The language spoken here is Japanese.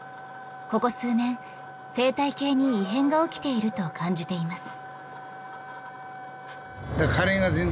ここ数年生態系に異変が起きていると感じています。